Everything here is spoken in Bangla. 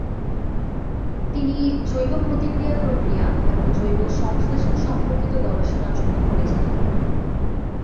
তিনি জৈব প্রতিক্রিয়া প্রক্রিয়া এবং জৈব সংশ্লেষণ সম্পর্কিত গবেষণার জন্য পরিচিত।